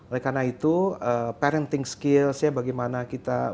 oleh karena itu parenting skills ya bagaimana kita